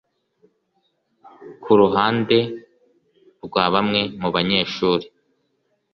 ku ruhande rwa bamwe mu banyeshuri